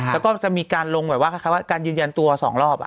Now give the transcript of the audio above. และก็จะมีการลงเหมือนกันว่าการยืนยันตัว๒รอบ